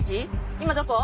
今どこ？